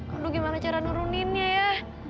aduh gimana cara nuruninnya ya